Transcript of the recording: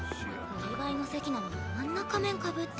お祝いの席なのにあんな仮面被って。